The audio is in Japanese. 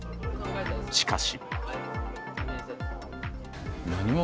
しかし。